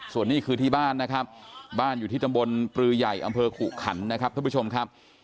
ส่วนนี้คือที่บ้านนะครับบ้านอยู่ที่ตำบลปลือใหญ่อำเภอขุขันนะครับท่านผู้ชมครับ